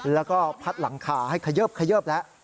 แล้วก็พัดหลังคาให้เขยิบแล้ว